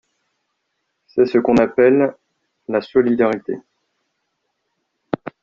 C’est ce qu’on appelle la solidarité.